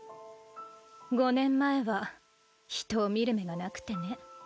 ５年前は人を見る目がなくてね。